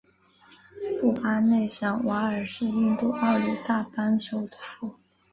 布巴内什瓦尔是印度奥里萨邦首府。